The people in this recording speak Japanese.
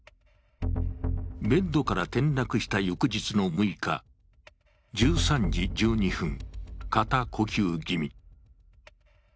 ベッドから転落した翌日の６日、１３時１２分、肩呼吸ぎみ。